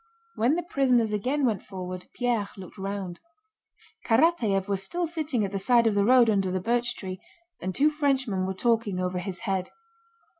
When the prisoners again went forward Pierre looked round. Karatáev was still sitting at the side of the road under the birch tree and two Frenchmen were talking over his head.